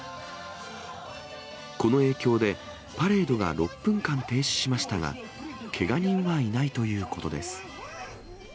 この影響で、パレードが６分間停止しましたが、けが人はいないということです。